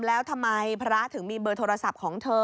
แล้วทำไมพระถึงมีเบอร์โทรศัพท์ของเธอ